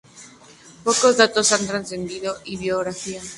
Pocos datos han trascendido de su biografía.